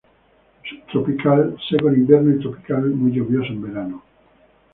Subtropical, seco en invierno y tropical muy lluvioso en verano.